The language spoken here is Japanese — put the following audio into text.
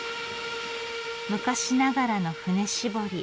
昔ながらの槽搾り。